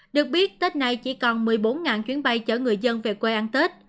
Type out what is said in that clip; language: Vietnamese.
được biết tết này chỉ còn một mươi bốn chuyến bay chở người dân về quê ăn tết